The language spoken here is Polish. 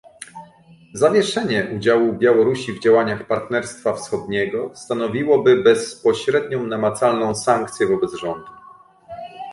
Zawieszenie udziału Białorusi w działaniach Partnerstwa Wschodniego stanowiłoby bezpośrednią, namacalną sankcję wobec rządu